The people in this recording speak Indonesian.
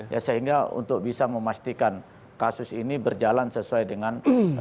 ya sehingga untuk bisa memastikan kasus ini berjalan sesuai dengan